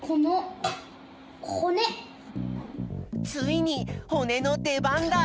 ついにほねのでばんだ！